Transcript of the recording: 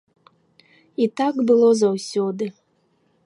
І так было заўсёды.